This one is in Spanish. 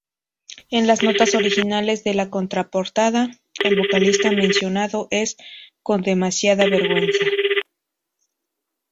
En las notas originales de la contraportada, el vocalista mencionado es: "con demasiada vergüenza".